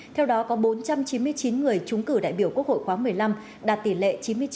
theo đó có bốn trăm chín mươi chín người trúng cử đại biểu quốc hội khóa một mươi năm đạt tỷ lệ chín mươi chín